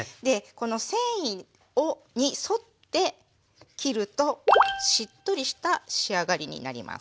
この繊維に沿って切るとしっとりした仕上がりになります。